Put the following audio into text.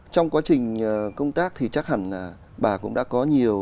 trong quá trình công tác thì chắc hẳn là bà cũng đã có nhiều